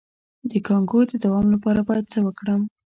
د کانګو د دوام لپاره باید څه وکړم؟